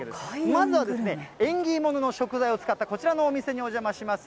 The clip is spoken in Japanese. まずは縁起物の食材を使ったこちらのお店にお邪魔します。